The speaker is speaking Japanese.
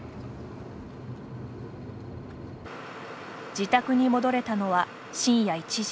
自宅に戻れたのは深夜１時。